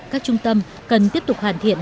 các trung tâm cần tiếp tục hoàn thiện